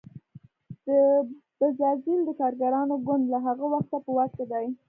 د بزازیل د کارګرانو ګوند له هغه وخته په واک کې دی.